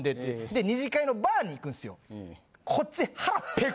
で２次会のバーに行くんすよ。